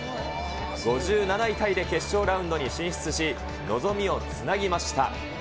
５７位タイで決勝ラウンドに進出し、望みをつなぎました。